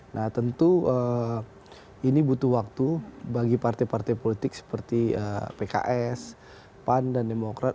nah tentu ini butuh waktu bagi partai partai politik seperti pks pan dan demokrat